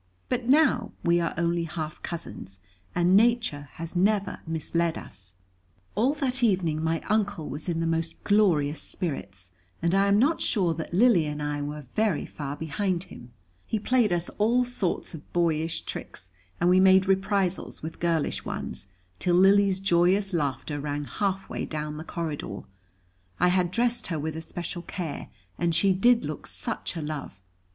But now, we are only half cousins, and nature has never misled us. [#] i.e. the age of twenty. All that evening, my Uncle was in the most glorious spirits, and I am not sure that Lily and I were very far behind him. He played us all sorts of boyish tricks, and we made reprisals with girlish ones, till Lily's joyous laughter rang halfway clown the corridor. I had dressed her with especial care, and she did look such a love!